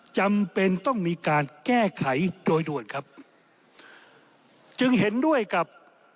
จำเป็นต้องมีการแก้ไขโดยด่วนครับจึงเห็นด้วยกับ